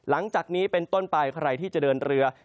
วันนี้เป็นต้นปลายใครที่จะเดินเรือ